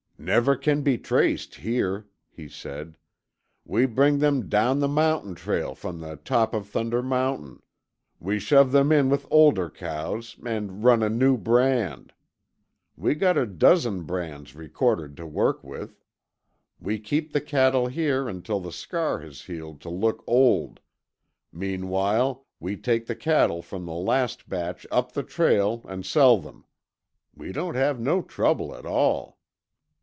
"Never can be traced here," he said. "We bring them down the mountain trail from the top of Thunder Mountain; we shove them in with older cows and run a new brand. We got a dozen brands recorded to work with. We keep the cattle here until the scar has healed to look old; meanwhile we take cattle from the last batch up the trail and sell them. We don't have no trouble at all."